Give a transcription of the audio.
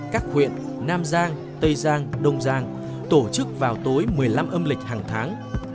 các huyện nam giang tây giang đông giang tổ chức vào tối một mươi năm âm lịch hàng tháng